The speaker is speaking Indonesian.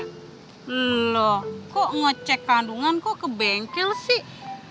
lho kok ngecek kandungan kok ke bengkel sih